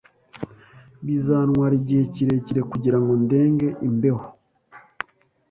Bizantwara igihe kirekire kugirango ndenge imbeho